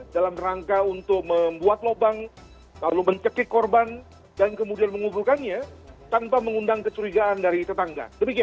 dalam rangka untuk membuat lubang lalu mencekik korban dan kemudian menguburkannya tanpa mengundang kecurigaan dari tetangga